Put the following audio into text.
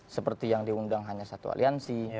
seperti yang diundang hanya satu aliansi